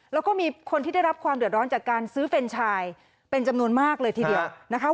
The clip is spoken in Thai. แล้วก็มีคนที่ได้รับความเดือดร้อนจากการซื้อเฟรนชายเป็นจำนวนมากเลยทีเดียวนะคะ